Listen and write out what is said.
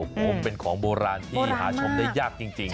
โอ้โหเป็นของโบราณที่หาชมได้ยากจริง